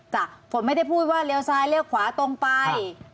ฝนไม่ได้พูดว่าเลี้ยวซ้ายเลี้ยวขวาตรงไป